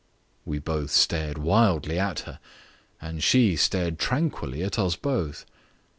We both stared wildly at her and she stared tranquilly at us both.